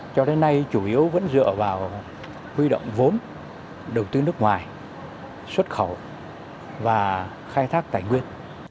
cho đến nay chủ yếu vẫn dựa vào huy động vốn đầu tư nước ngoài xuất khẩu và khai thác tài nguyên